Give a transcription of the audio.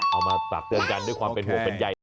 เอามาปรับเชิญกันด้วยความเป็นห่วงเป็นใย